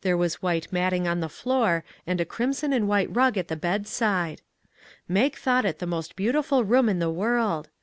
There was white matting on the floor, and a crimson and white rug at the bedside. Mag thought it the most beautiful room in the world.